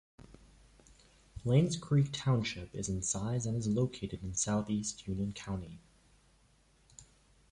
Lanes Creek Township is in size and is located in southeast Union County.